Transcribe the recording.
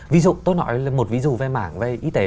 ví dụ tôi nói là một ví dụ về mảng về y tế